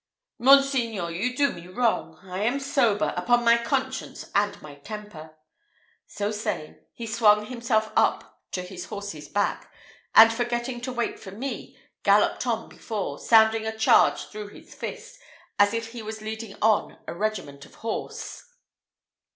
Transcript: "Monseigneur, you do me wrong. I am sober, upon my conscience and my trumpet!" So saying, he swung himself up to his horse's back, and forgetting to wait for me, galloped on before, sounding a charge through his fist, as if he was leading on a regiment of horse.